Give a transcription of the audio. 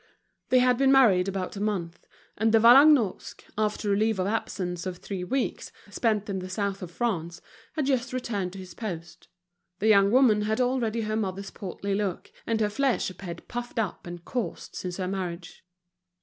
They had been married about a month, and De Vallagnosc, after a leave of absence of three weeks, spent in the South of France, had just returned to his post. The young woman had already her mother's portly look, and her flesh appeared puffed up and coarser since her marriage.